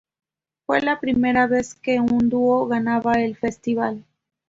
Fue la primera vez que un dúo ganaba el festival.